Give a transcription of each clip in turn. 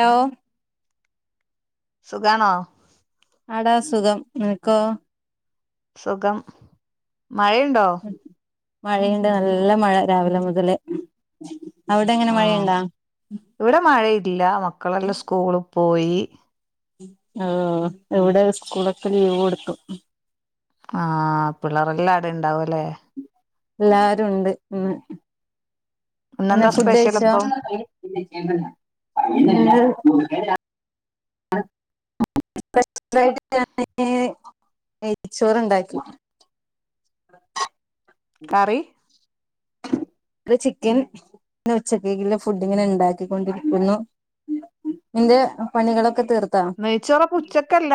Law സുഖാണോ? എടാ സുഖം നിനക്കോ? സുഖം മഴയുണ്ടോ? മഴയിണ്ട് നല്ല മഴ രാവിലെ മുതല് അവിടെ എങ്ങനെ ആഹ് മഴയുണ്ടാ ഇവിടെ മഴയില്ല മക്കളെല്ല സ്കൂള് പോയി ആഹ് ഇവിടെ സ്കൂളൊക്കെ ലീവ് കൊടുത്തു ആഹ് പിള്ളേരെല്ലാ ആടെ ഇണ്ടാവുംല്ലേ എല്ലാരുംണ്ട് ഇന്ന് പിന്നെ ഇന്നെന്താ ഫുഡ് സ്പെഷ്യൽ കഴിച്ചോ? അപ്പം സ്‌പെഷ്യലായിട്ട് ഞാന് [unintelligible] നെയച്ചോറ്ണ്ടാക്കി. [unintelligible] കറി [inaudible] ക്ക് ചിക്കൻ പിന്നെ ഉച്ചകേക്ക്‌ള്ള ഫുഡ്ങ്ങനെ ണ്ടാക്കിക്കൊണ്ടിരിക്കുന്നു. നിന്റെ പണികളൊ നെയ്ച്ചോറപ്പോ ഉച്ചക്കല്ല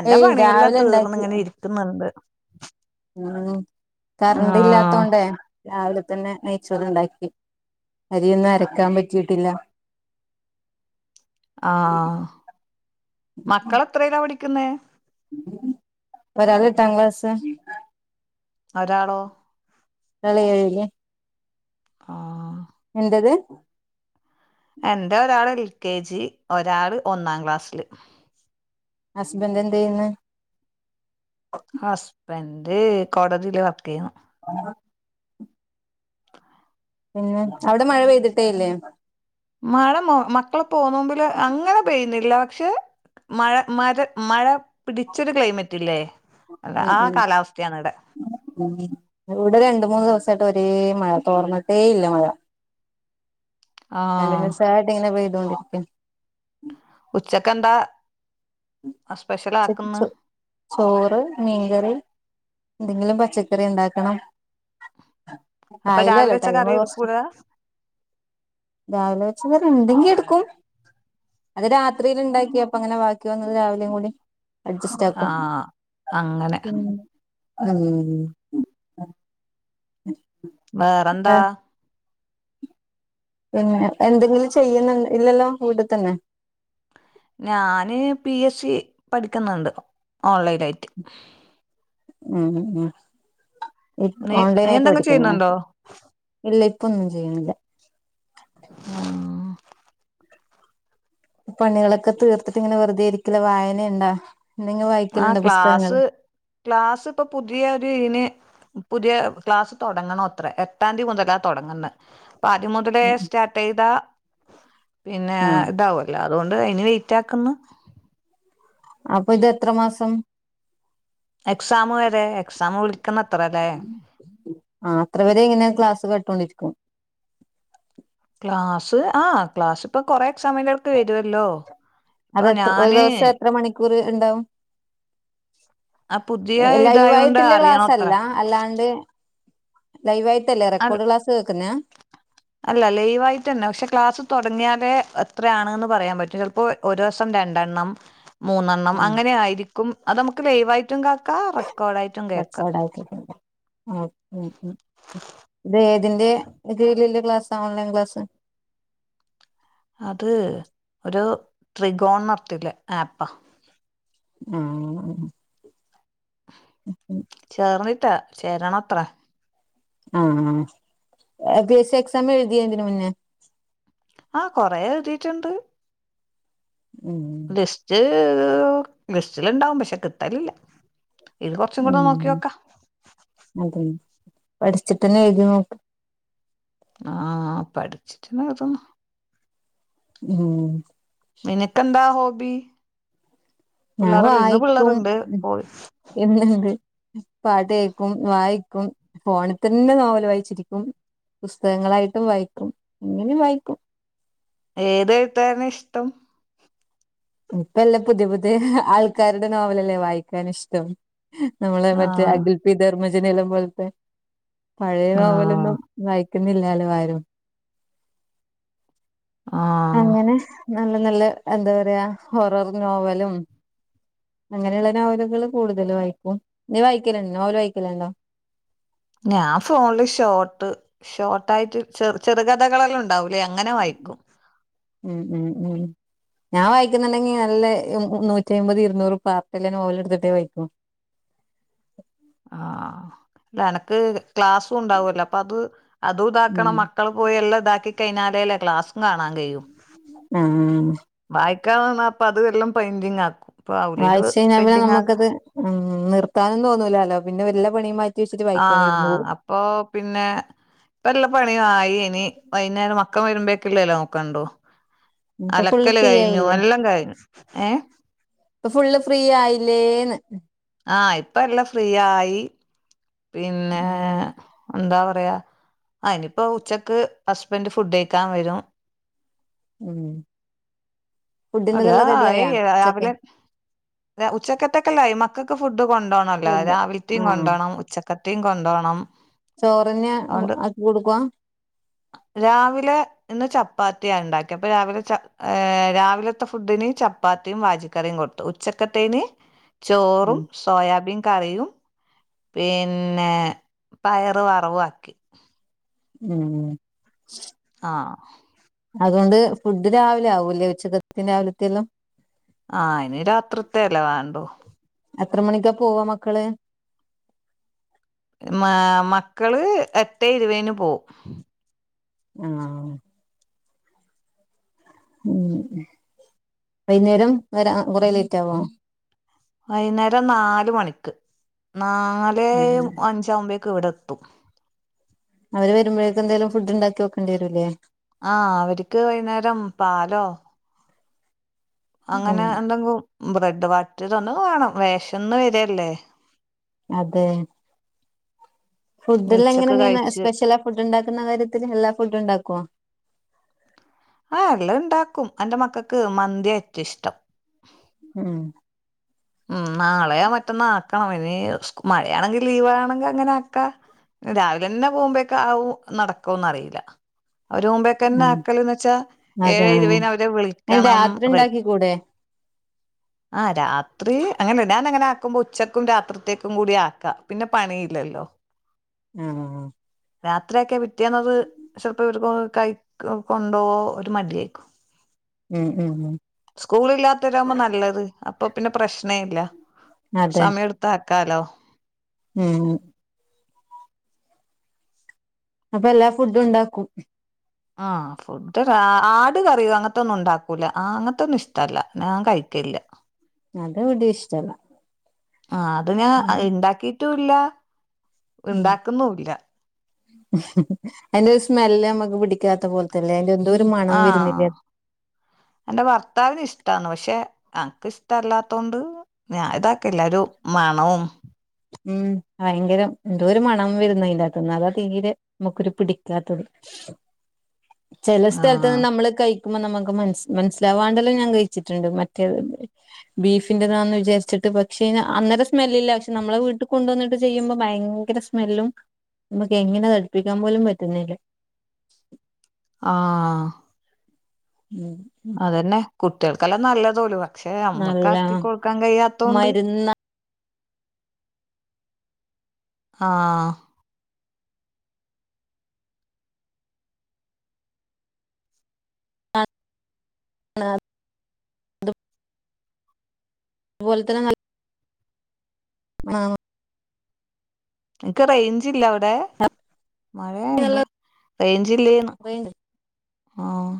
എന്റെ ഏയ് പണിയെല്ല രാവിലെ ഉണ്ടാക്കി തീർന്ന്ങ്ങനെ ഇരിക്ക്‌ന്ന്ണ്ട്. ഉം കറണ്ട് ഇല്ലാത്തോണ്ടേ രാവിലെ തന്നെ നെയ്ച്ചോറ്ണ്ടാക്കി അരിയൊന്നു അരക്കാൻ പറ്റീട്ടില്ല ആഹ് മക്കൾ എത്രേല പഠിക്ക്‌ന്നേ? ഒരാള് എട്ടാംക്ലാസ്സ്‌ ഒരാളോ? ഒരാൾ ഏഴ്ല് ആഹ് നിൻ്റെത് എന്റെ ഒരാള് എൽ കെ ജി ഒരാള് ഒന്നാം ക്ലാസ്സിൽ ഹസ്ബൻഡ് എന്തെയ്യ്ന്ന്? ഹസ്ബൻഡ് കോടതിയില് വർക്കെയ്യുന്നു. ആ പിന്നെ അവിടെ മഴ പെയ്തിട്ടേ ഇല്ലേ മഴ മക്കളെ പോന്നുമ്പില് അങ്ങനെ പെയ ഇല്ല പക്ഷെ മഴ മര മഴ പിടിച്ചൊരു ക്ലൈമറ്റ് ഇല്ലേ അല്ല ആ ഉം കാലാവസ്ഥയാണ് ഇവിടെ ഉം മ് ഇവിടെ രണ്ട് മൂന്ന് ദിവസായിട്ട് [unintelligible] ഏ മഴ തോർന്നിട്ടേ ഇല്ല മഴ ആഹ് കണ്ടിന്യൂസായിട്ട് ഇങ്ങനെ പോെയ്തോണ്ടിരിക്ക ഉച്ചക്ക്എന്താ ചക്ക് ചോ ചോറ് മീൻകറി എന്തെങ്കിലും പച്ചക്കറി ണ്ടാക്കണം അപ്പൊ രാവിലെ ആയില്ലല്ലോ ട്ടോ വെച്ച കറി മാമു സ് എടുക്കൂല കുറച്ച രാവിലെ വെച്ച തര എതെങ്കി എടുക്കും അത് രാത്രിൽ ഉണ്ടാക്കിയ അപ്പ അങ്ങനെ ബാക്കി വന്നത് രാവിലെയും കൂടി അഡ്ജസ്റ്റ് ആക്കും ആഹ് അങ്ങനെ ഉം മ്മ് വേറെന്താ പിന്നെ എന്തെങ്കിലും ചെയ്യുന്നു ഇല്ലല്ലോ വീട്ട തന്നെ ഞാന് പി എസ് സി പഠിക്കുന്നുണ്ട് ഓൺലൈൻ ആയിട്ട് ഉം ഉം നീ നീ ഓൺലൈൻയിട്ട് എന്തെങ്കിലും പഠിക്കുന്നു ചെയ്യുന്നുണ്ടോ ഇല്ല ഇപ്പൊന്നും ചെയ്യുന്നില്ല ആ [unintelligible] പണികളൊക്കെ തീർത്തിട്ട ഇങ്ങനെ വെറുതെ ഇരിക്കില്ല വായന ഉണ്ടാ ആ ക്ലാസ്സ് ക്ലാസ് ഇപ്പൊ പുതിയ ഒരു ഇന് പുതിയ ക്ലാസ് തുടങ്ങണ അത്ര എട്ടാംതിയതി മുതലാ തുടങ്ങന്ന് അപ്പൊ ആദ്യം മുതലേ സ്റ്റാർട്ട് ചെയ്ത പിന്നെ ആഹ് ഇതാവല്ലോ അതുകൊണ്ട് ഇനി വെയിറ്റ് ആക്കുന്നു അപ്പൊ ഇതെത്ര മാസം എക്സാാം വരെ എക്സാാം വിളി - ആ അത്ര പേരെ എങ്ങനാ ക്ലാസ്സ് കട്ടൊണ്ടിരിക്കും ക്ലാസ് ആ ക്ലാസ് ഇപ്പൊ കൊറെ സമയങ്ങൾക്ക് വരുവല്ലോ ഇപ്പൊ ഞാന് കുറി ഉണ്ടാവും ആ പുതിയ എല്ല ഇതായോണ്ട് യുഅയിട്ടുള്ള അറിയണത്ര ക്ലാസല്ല അല്ലാണ്ട് ലൈവായിട്ടല്ലേ അ റെക്കോർഡ് ക്ലാസ് കേൾക്കുന്ന അല ലൈവയിട്ട് തന്നെ പക്ഷെ ക്ലാസ്സ് തുടങ്ങിയാലേ എത്രയാാണ്ന്ന് പറയാൻ പറ്റും ചിലപ്പോൾ ഒരു ദിവസം രണ്ടെണ്ണം മൂന്നെണ്ണം ഉം അങ്ങനെ ആയിരിക്കും അത് നമുക്ക് ലൈവ്യിട്ടും കേക്കാം റെക്കോർഡ ആായിട്ടും കേക്ക ആ ഉം ഉം ഇത അതിന്റെ കീയിൽ ള്ള ക്ലാസ ഓൺലൈൻ ക്ലാസ് അത് ഒരു ത്രികോർണർട്ടിലെ ആപ്പാ മ്മ്ഹ്ഹ് ചേർന്നിട്ടാ ചേരണത്ര ആ ബി എസ് സി എക്സാം എഴുതിയ തിന് മുന്നേ ആ കൊറെ എഴുതിട്ടുണ്ട് ഉം ലിസ്റ്റ് ലിസ്റ്റിലുണ്ടാവും പക്ഷെ കിട്ടലില്ല ഇത് കൊറച്ചും ഉം കൂടെ നോക്കിയോക്കാ അതന്നെ പഠിച്ചിട്ടന്നെ എഴതി നോക്ക ആ പഠിച്ചിട്ടന്നായിന്ന ഉം എ നിനക്ക് ന്താ ഹോബി ഞാൻ പിള്ളേരല്ല ഇന്ന് വായിക്കും പിള്ളേരുണ്ട് പോയി എന്ന്ണ്ട് പാട്ട് കേൾക്കും വായിക്കും ഫോണിൽ തന്നെ നോവല് വായിച്ചിരിക്കും പുസ്തകങ്ങളായിട്ടും വായിക്കും ഇങ്ങനെ വായിക്കും മട്ടം ഇപ്പല്ലാം പുതിയ പുതിയ ആൾക്കാരുടെ നോവലല്ലേ വായിക്കാൻ ഇഷ്ടം നമ്മളെ മറ്റേ ആ അഗൽ പിി ധർമ്മജനല്ലം പോലത്തെ പഴയ ആഹ് നോവലൊന്നും നയിക്കുന്നില്ലാലോ ആരും ആഹ് അങ്ങനെ നല്ല നല്ല എന്താ പറയാ ഹൊറർ നോവലും അങ്ങനെയുള്ള നോവലുകൾ കൂടുതല് വായിക്കും നീ വായിക്കലണ്ടോ നോവല് വായിക്കലണ്ടോ ഞാൻ ഫോണില് ഷോർട്ട് ഷോർട്ടായിട്ട് ചെറുകഥകളെല്ലാം ഉണ്ടാവൂ ല്ലെ അങ്ങനെ വായിക്കും ഉം ഉം ഉം ഞാൻ വായിക്കുന്നുണ്ടെങ്കി നല്ല നൂറ്റി അമ്പത് ഇരുന്നൂറ് പാർട്ടല്ലേ നോവൽ എടുത്തിട്ടേ വായിക്കും ആഹ് ല്ല എനക്ക് ക്ലാസ്സുംണ്ടാവല്ലോ അപ്പൊ അത് അതും ഉം ഇതാക്കണം മക്കൾ പോയി എല്ലാം ഇതാക്കി- കൈഞ്ഞാലല്ലെ ക്ലാസും കാണൻ കഴിയും ആഹ് ഇക്ക വന്നാൽ അപ്പ അതെല്ലാം പെൻ്റിംഗ് ആക്കും ഇപ്പ ആവൂലേ ഇത് വായിച്ച് കഴിഞ്ഞാന്നെ പെയിന്റിങ് ആക്ക നമുക്കത് ഉം നിർത്താനും തോന്നൂലാലോ പിന്നെ എല്ല പണിയും വെച്ചിട്ട് വായിക്കാൻ ഇരുന്ന് ആഹ് പോകും അപ്പൊ പിന്നെ ഇപ്പ എല്ലാ പണിയും ആയി ഇനി വൈകുന്നേരം മക്ക പക്കം വരുമ്പോേക്കുള്ളല്ലോ നോക്കണ്ടോ ഇപ്പൊ ഫുള്ള് അലക്കൽ ഫ്രീ കഴിഞ്ഞു ആയില്ലേ എല്ലാം കഴിഞ്ഞു ഏ ഫുള്ള് ഫ്രീ ആയില്ലേന്ന് ആഹ് ഇപ്പ എല്ലാം ഫ്രീ ആയി പിന്നെ ഉം എന്താ പറയാ ഇനിപ്പോ ഉച്ചക്ക് ഹസ്ബൻഡ് ഫുഡ് കഴിക്കാൻ വരും ഉം അല്ല ഫുഡിന്റെതെല്ലാം റെഡി ആയാ ഏയ് ഉച്ചക്ക് അവലെ ഉച്ചക്കത്തൊക്കെല്ലായി മക്കൾക്ക് ഫുഡ് കൊണ്ടോണല്ലോ ഫുഡ് രാവിലത്തെയും ആഹ് കൊണ്ടോണം ഉച്ച കത്തിും കൊണ്ടോണം ചോറന്നെ അതൊണ്ട് ആക്കി കൊടുക്കുവാ രാവിലെ ഇന്ന് ചപ്പാത്തി ഉണ്ടാക്കി അപ്പ രാവിലെ് രാവിലെ ഫുഡ്ന് ചപ്പാത്തി മാജിക്കറിയും കൊടുത്തു ഉച്ചക്കത്തേന് ചോറും ഉം സോയാബീൻ കറിയും പിന്നെ പയറ് വറവും ആക്കി ഉം ആഹ് അതുകൊണ്ട് ഫുഡ് രാവിലെ ആവൂല്ലേ ഉച്ചകത്തി രാവിലത്തെെതും ആ ഇനി രാത്രി ത്തെ അല്ലെ വേണ്ടോ എത്ര മണിക്കാ പോവാ മക്കള് മ മക്കള് എട്ടേ ഇരുവേനു പോവും ആഹ് ഉം വൈകുന്നേരം വരാൻ കൊറെ ലേറ്റ് ആവോ വൈകുന്നേരം നാല് മണിക്ക് നാല് അഞ്ചാവുമ്പേ ക്ക് ഇവിടെ ത്തും അവര് വരുമ്പോഴേക്കും എന്തേലും ഫുഡ് ഉണ്ടാക്കി വെക്കേണ്ടി വരൂല്ലേ ആഹ് അവർക്ക് വൈകുന്നേരം പാലോ അങ്ങനെ ഉം എന്തെങ്കും ബ്രെഡ് വട്ടിയതൊന്ന വേണം വേഷംന്ന് വരല്ലേ അതെ ഇനി ഫുഡിൽ എങ്ങനെ ഉച്ചക്ക് നീ കഴിച്ച് സ്പെഷ്യൽ ആ ഫുഡ് ഉണ്ടാക്കുന്ന കാര്യത്തിൽ എല്ലാ ഫുഡ് ഉണ്ടാകോ ആ എല്ല ഉണ്ടാക്കും എൻ്റെ മക്കൾക്ക് മന്തി ഏറ്റവും ഇഷ്ടം ആഹ് ഉം നാളെയാ മറ്റോ ന്നാക്കണം ഇനി സ് മഴയാണെങ്കി ലീവ് ആണെങ്കെ അങ്ങനെ ആക്കാ രാവിലെന്നെ പോകുമ്പോേക്കെ ആവൂ നടക്കോന്ന് അറീല അവര് മുമ്പേക്കെന്നെ ഉം ആക്കല്ന്ന് വെച്ചാ അതെ ഏഴ് ഇരുവയ്ന് അവരെ അയിന് വിളിക്കണം രാത്രി റെ ഉണ്ടാക്കി കൂടെ ആഹ് രാ രാത്രി അങ്ങനെ ഞാൻ അങ്ങനെ ആക്കുമ്പോ ഉച്ചക്കും രാത്രിത്തേക്കും കൂടി ആക്കാം പിന്നെ പണിയില്ലല്ലോ ആഹ് രാത്രിയാക്കെ പിറ്റേന്നത് ചെലപ്പോ ഇവര് കൈ കൊണ്ടോ ഒരു മടിയായിരിക്കും. ഉം ഉം ഉം സ്കൂൾ ഇല്ലാത്തവരാമ്പോ നല്ലത് അപ്പൊ പിന്നെ പ്രശ് നയില്ല അതെ സമയട്ത്ത് ആക്കാല്ലോ. ഉം അപ്പ എല്ലാ ഫുഡ് ഉണ്ടാക്കും ആഹ് ഫുഡ് ഒരാ ആട് കറിയോ അങ്ങത്തൊന്നും ഉണ്ടാക്കൂല അങ്ങനത്തൊന്നും ഇഷ്ടല്ല. ഞാൻ കഴി ക്കില്ല അത്‌ ഇവ്ടിം ഇഷ്ടല്ല. ആ അത്‌ ഞാൻ ഉം ഇണ്ടാക്കീട്ടും ഇല്ല ഉം അതിന്റെ ഒരു സ്മെല് നമ്മക്ക് പിടി ക്ക്യാത്ത പോൽത്തെല്ലേ അയിൻ്റെ നീ ആഹ് എന്റെ ഭർത്താവിന് ഇഷ്ടാണ് പക്ഷെ അനക്ക് ഇഷ്ടമല്ലാത്തോണ്ട് ഞാൻ ഇതാക്കല്ലാരും മണവും ഉം ഭയങ്കരം എന്തോ ഒരു മണം വരുന്നു അതിന്റകത്ത് ന്ന് അതാ തീരെ നമുക്കൊരു പിടിക്കാത്തത്. ചെല സ്ഥലത്ത്ന്ന് ആഹ് നമ്മള് കൈ ക്കുമോ നമക്ക് മനസ് മനസ്സിലാവു വാണ്ടല്ലോ ഞാൻ കഴിച്ചിട്ട്ണ്ട് മറ്റേത് ബീഫിന്റെതാണന്ന് വിചാരിച്ച് പക്ഷേന് അന്നേരം സ്മെല്ലില്ല പക്ഷെ നമ്മളെ വീട്ട് കൊണ്ടുവന്നിട്ട് ചെയ്യുമ്പോ ഭയങ്കര സ്മെല്ലും നമുക്ക് എങ്ങനെ അത് അടുപ്പിക്കാൻ പോലും പറ്റുന്നില്ല ആഹ് ഉം ഉം അതന്നെ കുട്ടികൾക്കെല്ലാം നല്ലതോലു പക്ഷെ അമ്മക്ക നല്ല ആക്കി കൊടുക്കാൻ കയ്യാത്തോണ്ട് മരുന്ന് ആഹ് [unintelligible] പോലത്തന്നെ നൽ [unintelligible] നിക്ക് റേഞ്ചില്ല അവ തേ മഴയായോണ്ടാ റേഞ്ചില്ലേന്ന് എനിക്ക് ആഹ്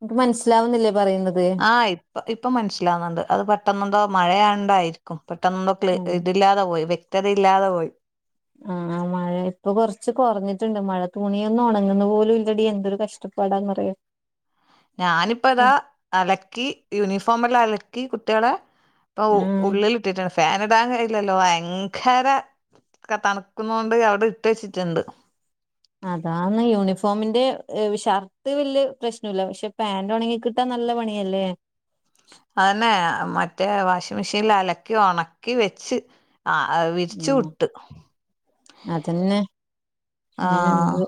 [unintelligible] ക്ക് മനസ്സിലാവുന്നില്ലേ പറയുന്നത് ആഹ് ഇപ്പ ഇപ്പൊ മനസ്സിലാവുന്നുണ്ട് അത് പെട്ടെന്നന്തോ മഴയാണ്ടായിരിക്കും പെട്ടന്നെന്തോ ക്ലി ഉം ഇതില്ലാതെ പോയി വ്യക്തത ഇല്ലാതെ പോയി. ആ മ മഴ ഇപ്പൊ കൊറച്ച് കൊറഞ്ഞിട്ട്ണ്ട് മഴ തുണിയൊന്നും ഒണങ്ങുന്ന് പോലും ഇല്ലടി എന്തൊരു കഷ്ടപ്പാടാന്ന് അറിയോ [inaudible] ഞാനിപ്പോ ഇതാ അലക്കി യൂനിഫോം എല്ലാം അലക്കി കുട്ട്യോളെ, ഇപ്പൊ ആഹ് ഉള്ളിൽ ഇട്ടിട്ടാണ് ഫാൻ ഇടാൻ കഴയില്ലല്ലോ വയങ്കര തണുക്കുന്നോണ്ട് അവിടെ ഇട്ട് വെച്ചിട്ട്ണ്ട്. അതാന്ന് യൂണിഫോമിന്റെ ഏ ഷർട്ട് വല്ല്യ പ്രശ്നൂല്ല പക്ഷെ പാന്റ് ഒണങ്ങി കിട്ടാൻ ന ല്ല പണിയല്ലേ അതന്നെ മറ്റേ വാഷിംഗ്‌ മെഷീനിൽ അലക്കി ഒണക്കി വെച്ച് ആ ഉം വിരിച്ചുവിട്ട് അതന്നെ ആഹ്.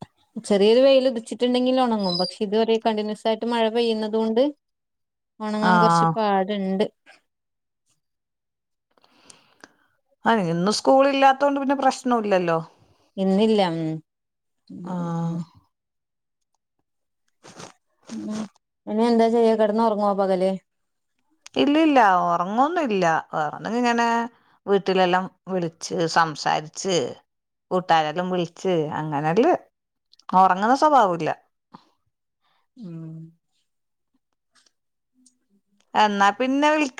[unintelligible] ചെറ്യേരു വെയിൽ ഉദിച്ചിട്ടുണ്ടെങ്കി ന്നെ ഒണങ്ങും പക്ഷെ ഇത്‌ വരെ കണ്ടിന്യൂസ് ആയിട്ട് മഴ പെയ്യുന്നതു കൊണ്ട് ആ ഒണങ്ങാൻ കൊറച്ച് പാട്ണ്ട് ആ ഇന്ന് സ്കൂളില്ലാത്തോണ്ട് പിന്നെ പ്രശ്നൂല്ലല്ലോ. ഇന്നില്ല ആ ഉം ഉ ഇനി എന്താ ചെയ്യ കിടന്ന് ഉറങ്ങോ പകല് ഇല്ലല്ല ഉറങ്ങൊന്നല്ല വേറെന്തെങ്കിലും ഇങ്ങനെ വീട്ടിലെല്ലാം വിളിച്ച് സംസാരിച്ച് കൂട്ടാരെല്ലാം വിളിിച്ച്ച് അങ്ങനല്ല ഉറങ്ങുന്ന സ്വഭാവില്ല ഉം എന്നാ പിന്നെ വിളിക്ക